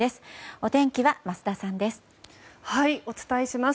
お天気は桝田さんです。